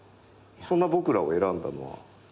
そんな僕らを選んだのは。